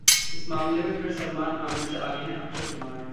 इस मामले में फिर सलमान-आमिर से आगे हैं अक्षय कुमार